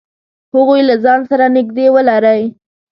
هغوی له ځان سره نږدې ولری.